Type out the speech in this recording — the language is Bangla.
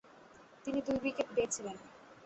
তিনি দুই উইকেট পেয়েছিলেন।